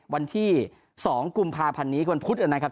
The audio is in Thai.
วันที่๒กุมภาพันธ์นี้ก็มันพุธอันนั้นครับ